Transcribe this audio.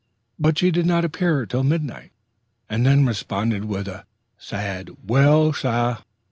But she did not appear till midnight, and then responded with but a sad "Well, sah!"